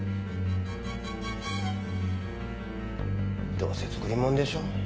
どうせ作り物でしょ。